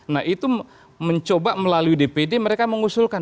nah itu mencoba melalui dpd mereka mengusulkan